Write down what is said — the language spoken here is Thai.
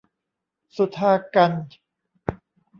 สุธากัญจน์